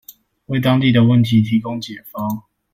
為當地的問題提供解方